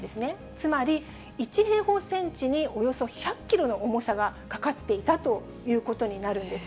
つまり、１平方センチにおよそ１００キロの重さがかかっていたということになるんです。